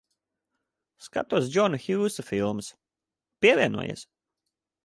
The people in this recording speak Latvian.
Skatos Džona Hjūsa filmas. Pievienojies.